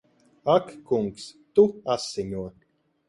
Ak kungs! Tu asiņo!